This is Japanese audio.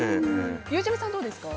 ゆうちゃみさん、どうですか？